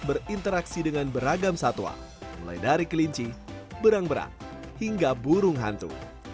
berinteraksi dengan beragam satwa mulai dari kelinci berang berang hingga burung hantu